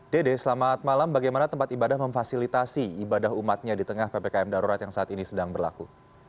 dede selamat malam bagaimana tempat ibadah memfasilitasi ibadah umatnya di tengah ppkm darurat yang saat ini sedang berlaku